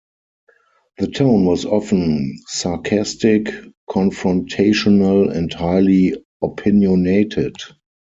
The tone was often sarcastic, confrontational and highly opinionated.